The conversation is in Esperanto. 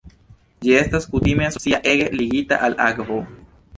Ĝi estas kutime asocia ege ligita al akvo.